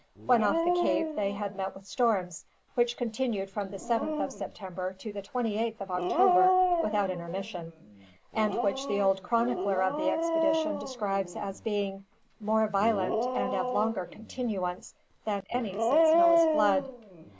When off the Cape they had met with storms, which continued from the 7th of September to the 28th of October, without intermission; and which the old chronicler of the expedition describes as being "more violent, and of longer continuance, than anything since Noah's flood."